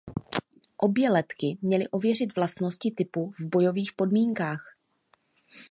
Obě letky měly ověřit vlastnosti typu v bojových podmínkách.